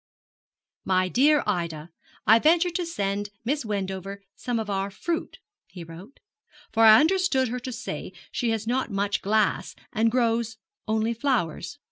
'My dear Ida, I venture to send Miss Wendover some of our fruit,' he wrote, 'for I understood her to say she has not much glass, and grows only flowers.